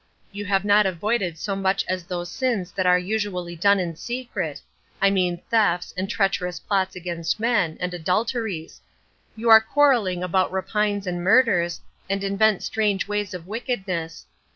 You have not avoided so much as those sins that are usually done in secret; I mean thefts, and treacherous plots against men, and adulteries. You are quarrelling about rapines and murders, and invent strange ways of wickedness.